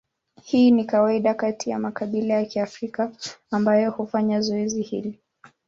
Hii ni kawaida kati ya makabila ya Kiafrika ambayo hufanya zoezi hili.